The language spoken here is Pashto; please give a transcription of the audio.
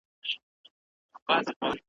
شپې که هر څومره اوږدې وي عاقبت به لمر ځلیږي .